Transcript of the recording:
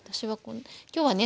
今日はね